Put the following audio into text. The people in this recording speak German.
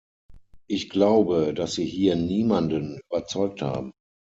Ich glaube, dass sie hier niemanden überzeugt haben.